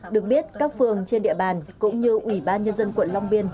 được biết các phường trên địa bàn cũng như ủy ban nhân dân quận long biên